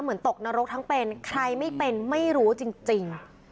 ตกนรกทั้งเป็นใครไม่เป็นไม่รู้จริง